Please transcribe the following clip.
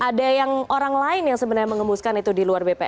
ada yang orang lain yang sebenarnya mengemuskan itu di luar bpn